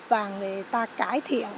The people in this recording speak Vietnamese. và người ta cải thiện